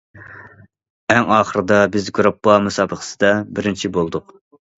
ئەڭ ئاخىرىدا بىز گۇرۇپپا مۇسابىقىسىدە بىرىنچى بولدۇق.